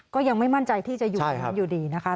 ก็ยังไม่มั่นใจที่จะอยู่อยู่ดีนะคะ